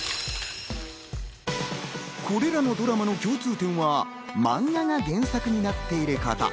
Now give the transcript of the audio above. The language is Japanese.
これらのドラマの共通点は漫画が原作になっていること。